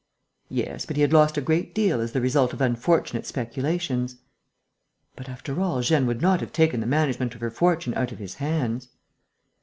"Yes, but he had lost a great deal as the result of unfortunate speculations." "But, after all, Jeanne would not have taken the management of her fortune out of his hands!"